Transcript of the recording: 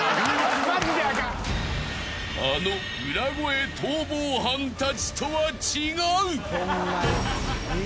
［あの裏声逃亡犯たちとは違う！］